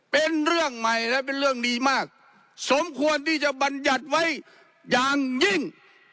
เป็นเรื่องใหม่และเป็นเรื่องดีมากสมควรที่จะบรรยัติไว้อย่างยิ่ง